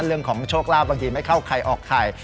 เรื่องของโชคลาภบางทีไม่เข้าใครออกไข่